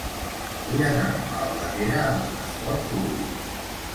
Vull anar a Albatera amb transport públic.